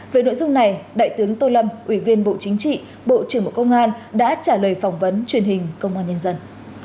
về nội dung này đại tướng tô lâm ủy viên bộ chính trị bộ trưởng bộ công an đã trả lời phỏng vấn truyền hình công an nhân dân